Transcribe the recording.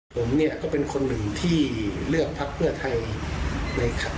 ผมเนี่ยก็เป็นคนหนึ่งที่เลือกพักเพื่อไทยในขัน